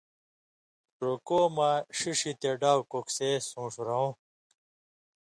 رُکوع مہ ݜِݜ یی تے ڈاؤ کوکسے سون٘ݜیۡ رؤں،